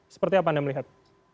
seperti apa anda melihat